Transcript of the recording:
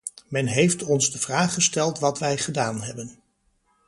Men heeft ons de vraag gesteld wat wij gedaan hebben.